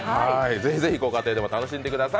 ぜひぜひご家庭でも楽しんでください。